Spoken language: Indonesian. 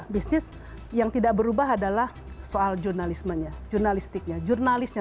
bisnis yang tidak berubah adalah soal jurnalismenya jurnalistiknya jurnalisnya